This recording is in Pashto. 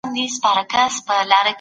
ایا د غوزانو او بادامو خوړل ذهن تېزوي؟